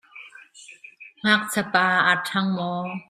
Ngakchiapa a ṭhangh maw?